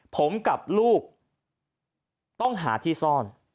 ผมกับลูกต้องหาที่ซ่อน